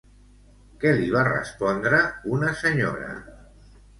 Què li va respondre una senyora?